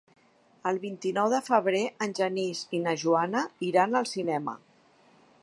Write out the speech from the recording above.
El vint-i-nou de febrer en Genís i na Joana iran al cinema.